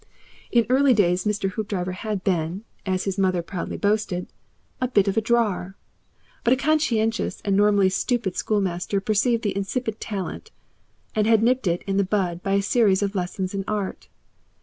In early days Mr. Hoopdriver had been, as his mother proudly boasted, a 'bit of a drawer,' but a conscientious and normally stupid schoolmaster perceived the incipient talent and had nipped it in the bud by a series of lessons in art.